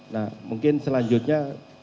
nah mungkin selanjutnya